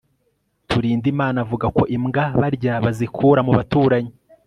turindimana avuga ko imbwa barya bazikura mu baturanyi